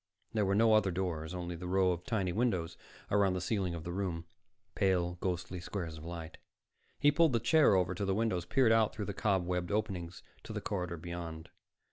There were no other doors, only the row of tiny windows around the ceiling of the room, pale, ghostly squares of light. He pulled the chair over to the windows, peered out through the cobwebbed openings to the corridor beyond.